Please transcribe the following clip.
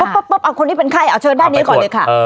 ปุ๊บเอาคนที่เป็นไข้เอาเชิญด้านนี้ก่อนเลยค่ะ